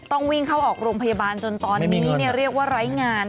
ต้องวิ่งเข้าออกโรงพยาบาลจนตอนนี้เรียกว่าไร้งาน